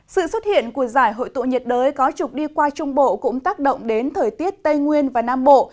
sự xuất hiện của giải hội tụ nhiệt đới có trục đi qua trung bộ cũng tác động đến thời tiết tây nguyên và nam bộ